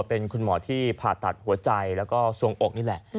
เป็นคุณหมอที่ผ่าตัดหัวใจแล้วก็ส่วงอกนี่แหละ